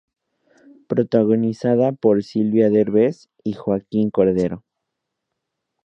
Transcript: Protagonizada por Silvia Derbez y Joaquín Cordero.